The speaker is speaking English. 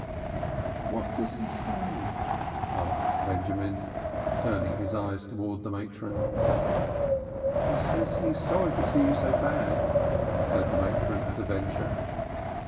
"What does he say?" asked Benjamin, turning his eyes towards the matron. "He says he is sorry to see you so bad," said the matron, at a venture.